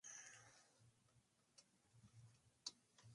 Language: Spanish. Posteriormente, el presidente Tandja fue llevado a juicio y encarcelado.